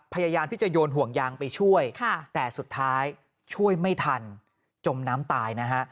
พยายามที่จะโยนห่วงยางไปช่วยแต่สุดท้ายช่วยไม่ทันจมน้ำตายนะฮะ